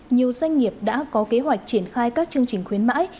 nhiều doanh nghiệp đã có kế hoạch triển khai các chương trình khuyến mãi